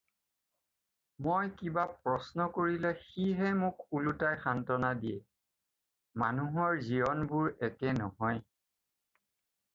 মই কিবা প্ৰশ্ন কৰিলে সি হে মোক ওলোটাই সান্ত্বনা দিয়ে – মানুহৰ জীৱনবোৰ একে নহয়।